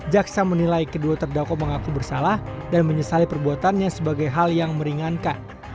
jaksa menilai kedua terdakwa mengaku bersalah dan menyesali perbuatannya sebagai hal yang meringankan